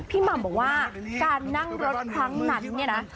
หม่ำบอกว่าการนั่งรถครั้งนั้นเนี่ยนะ